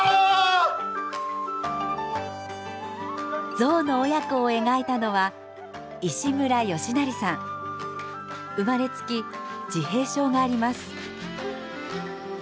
ゾウの親子を描いたのは生まれつき自閉症があります。